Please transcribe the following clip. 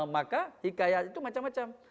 maka hikayat itu macam macam